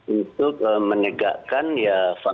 untuk menegakkan ya